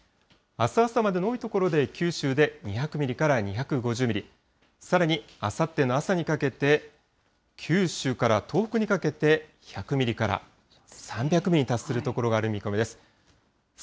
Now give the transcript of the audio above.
あす朝までの多い所で九州で２００ミリから２５０ミリ、さらにあさっての朝にかけて、九州から東北にかけて、１００ミリから３００ミリに達する所がある見込みです。